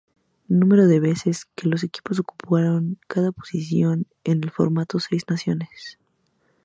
Número de veces que los equipos ocuparon cada posición en el formato Seis Naciones.